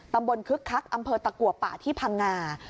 ตำบลคึกคักอำเภอตะกัวปะที่พังงา